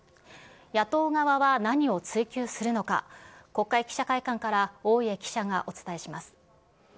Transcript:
野党側は何を追及するのか、国会記者会館から大家記者がお伝えします。